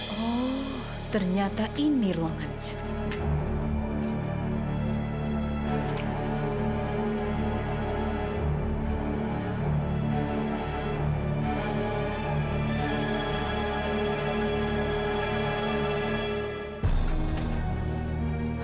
oh ternyata ini ruangannya